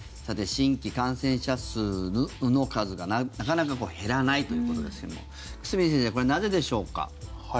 さて、新規感染者の数がなかなか減らないということですけれども久住先生これはなぜでしょうか。